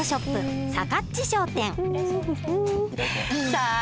さあ